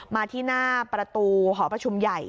มาที่หน้าประตูหอประชุมใหญ่